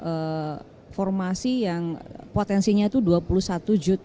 kita sudah berhasil menemukan beberapa perusahaan yang berhasil untuk memperbaiki energi terbarukan